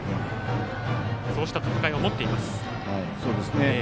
そうした戦い方を持っています。